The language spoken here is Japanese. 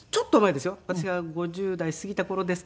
私が５０代過ぎた頃ですか。